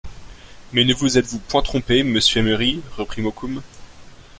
Mais ne vous êtes-vous point trompé, monsieur Emery, reprit Mokoum.